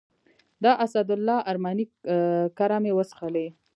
د اسدالله ارماني کره مې وڅښلې.